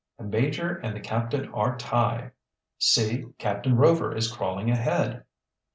"The major and the captain are tie!" "See, Captain Rover is crawling ahead!"